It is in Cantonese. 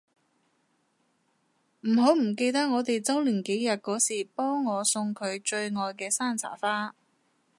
唔好唔記得我哋週年紀念嗰時幫我送佢最愛嘅山茶花